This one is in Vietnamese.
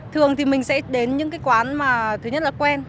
thường thì mình sẽ đến những cái quán mà thứ nhất là quen